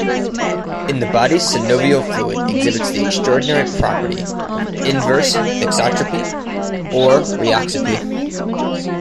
In the body synovial fluid exhibits the extraordinary property of inverse thixotropy or rheopexy.